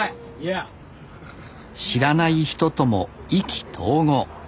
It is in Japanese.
知らない人とも意気投合。